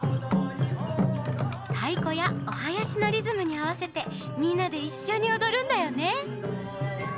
たいこやおはやしのリズムにあわせてみんなでいっしょにおどるんだよね。